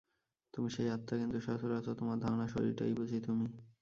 তুমি সেই আত্মা, কিন্তু সচরাচর তোমার ধারণা শরীরটাই বুঝি তুমি।